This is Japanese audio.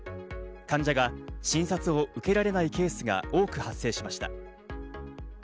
患者が診察を受けられないケースが多く発生しました。